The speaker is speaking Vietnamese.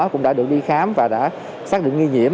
cũng đã được đi khám và đã xác định nghi nhiễm